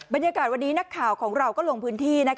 บรรยากาศวันนี้นักข่าวของเราก็ลงพื้นที่